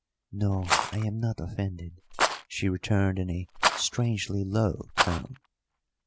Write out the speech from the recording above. "No, I am not offended," she returned in a strangely low tone.